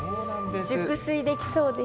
熟睡できそうです。